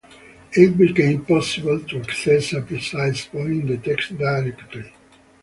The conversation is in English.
It became possible to access a precise point in the text directly.